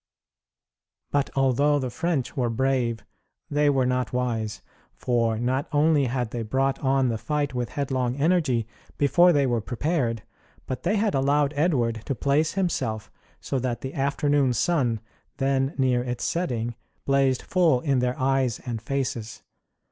But although the French were brave they were not wise. For not only had they brought on the fight with headlong energy before they were prepared, but they had allowed Edward to place himself so that the afternoon sun, then near its setting, blazed full in their eyes and faces.